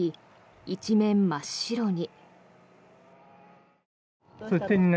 一面真っ白に。